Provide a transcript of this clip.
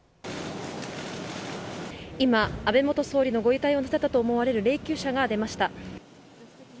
今、安倍元総理のご遺体を乗せたと思われる霊きゅう車が出ました。